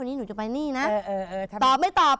วันนี้หนูจะไปนี่นะตอบไม่ตอบ